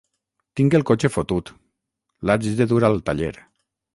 Tinc el cotxe fotut: l'haig de dur al taller.